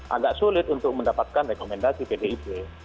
agak sulit untuk mendapatkan rekomendasi pdip